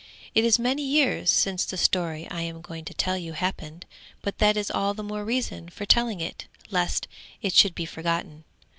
It is many years since the story I am going to tell you happened, but that is all the more reason for telling it, lest it should be forgotten.